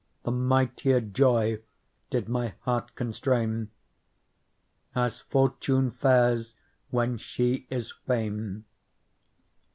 The mightier joy did my heart constrain. As fortune fares when she is fain.